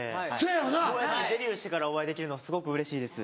ようやくデビューしてからお会いできるのすごくうれしいです。